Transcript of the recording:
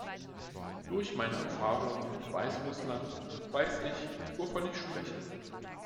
Durch meine Erfahrung mit Weißrussland weiß ich, wovon ich spreche.